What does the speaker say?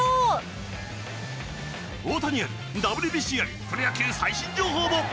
大谷あり、ＷＢＣありプロ野球最新情報も。